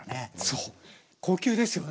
そう高級ですよね。